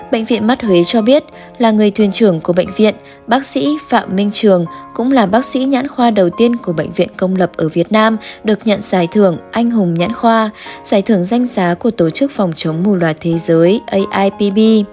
bệnh viện mắt huế cho biết là người thuyền trưởng của bệnh viện bác sĩ phạm minh trường cũng là bác sĩ nhãn khoa đầu tiên của bệnh viện công lập ở việt nam được nhận giải thưởng anh hùng nhãn khoa giải thưởng danh giá của tổ chức phòng chống bù loà thế giới aipb